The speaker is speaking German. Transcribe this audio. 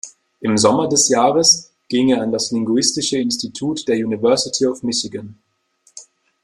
Im Sommer des Jahres ging er an das Linguistische Institut der University of Michigan.